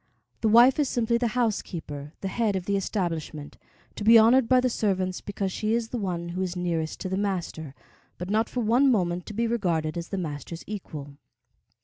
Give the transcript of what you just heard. The wife is simply the housekeeper, the head of the establishment, to be honored by the servants because she is the one who is nearest to the master, but not for one moment to be regarded as the master's equal.